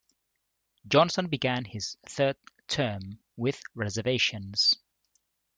Johnson began his third term with reservations.